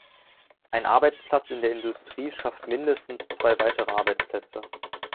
Ein Arbeitsplatz in der Industrie schafft mindestens zwei weitere Arbeitsplätze.